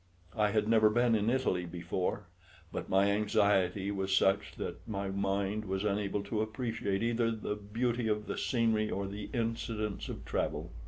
I had never been in Italy before; but my anxiety was such that my mind was unable to appreciate either the beauty of the scenery or the incidents of travel.